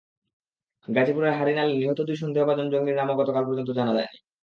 গাজীপুরের হাঁড়িনালে নিহত দুই সন্দেহভাজন জঙ্গির নামও গতকাল পর্যন্ত জানা যায়নি।